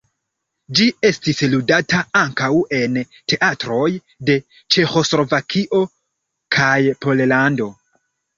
Ĝi estis ludata ankaŭ en teatroj de ĉeĥoslovakio kaj Pollando.